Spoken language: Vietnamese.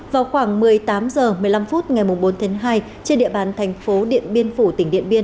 vào khoảng một mươi tám h một mươi năm phút ngày bốn tháng hai trên địa bàn thành phố điện biên phủ tỉnh điện biên